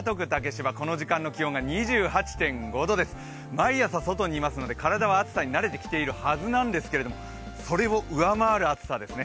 毎朝外にいますので、体は暑さに慣れてきているはずなんですけど、それを上回る暑さですね。